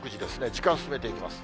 時間進めていきます。